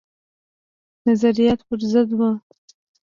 نظریات پر ضد وه.